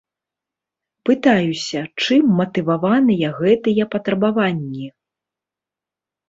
Пытаюся, чым матываваныя гэтыя патрабаванні?